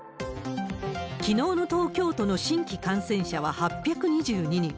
きのうの東京都の新規感染者は８２２人。